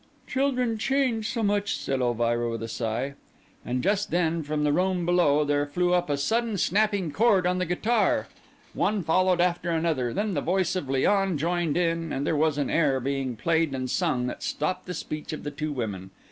"Children change so much," said Elvira, with a sigh. And just then from the room below there flew up a sudden snapping chord on the guitar; one followed after another; then the voice of Léon joined in; and there was an air being played and sung that stopped the speech of the two women.